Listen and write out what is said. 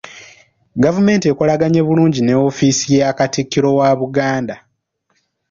Gavumenti ekolaganye bulungi ne woofiisi ya Katikkiro wa Buganda.